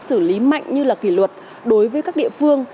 xử lý mạnh như là kỷ luật đối với các địa phương